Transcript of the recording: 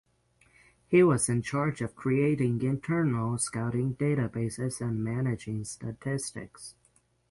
He was in charge of creating internal scouting databases and managing statistics.